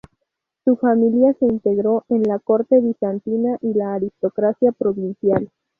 Su familia se integró en la corte bizantina y la aristocracia provincial.